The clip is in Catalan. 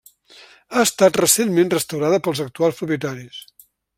Ha estat recentment restaurada pels actuals propietaris.